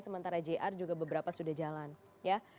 sementara jr juga beberapa sudah jalan ya